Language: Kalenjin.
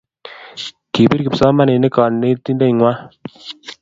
Kibir kipsomaninik konetinde ng'wany